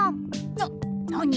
ななに？